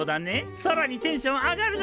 さらにテンション上がるだろ？